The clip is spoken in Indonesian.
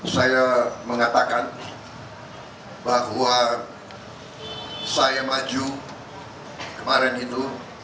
saya mengatakan bahwa saya maju kemarin itu